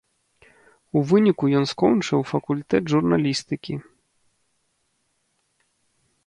У выніку ён скончыў факультэт журналістыкі.